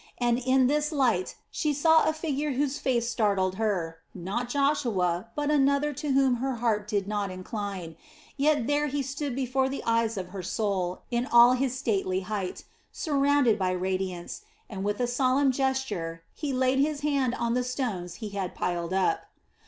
And in this light she saw a figure whose face startled her, not Joshua, but another to whom her heart did not incline. Yet there he stood before the eyes of her soul in all his stately height, surrounded by radiance, and with a solemn gesture he laid his hand on the stones he had piled up.